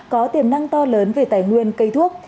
có tiềm năng to lớn về tài nguyên cây thuốc